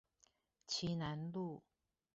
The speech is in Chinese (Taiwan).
旗楠路